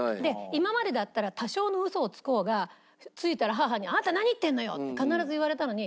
今までだったら多少のウソをつこうがついたら母に「あなた何言ってるのよ」って必ず言われたのに。